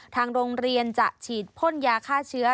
ทางโรงเรียนจะฉีดพ่นยาฆ่าเชื้อ